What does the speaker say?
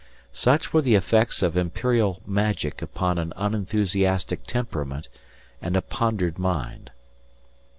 Such were the effects of imperial magic upon an unenthusiastic temperament and a pondered mind.